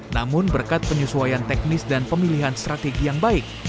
namun berkat penyesuaian teknis dan pemilihan strategi yang baik